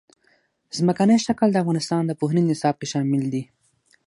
ځمکنی شکل د افغانستان د پوهنې نصاب کې شامل دي.